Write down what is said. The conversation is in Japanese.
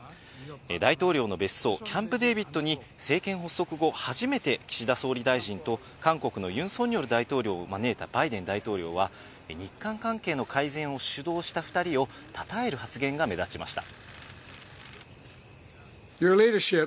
大統領の別荘キャンプ・デービッドに政権発足後初めて、岸田総理大臣と韓国のユン・ソンニョル大統領を招いたバイデン大統領は日韓関係の改善を主導した２人を称える発言が目立ちました。